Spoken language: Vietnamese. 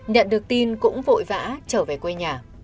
nhận được tin cũng vội vã trở về quê nhà